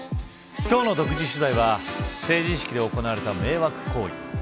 今日の独自取材は成人式で行われた迷惑行為。